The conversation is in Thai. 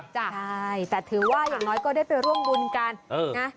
ใช่แต่ถือว่าอย่างน้อยก็ได้ไปร่วมบุญกันนะ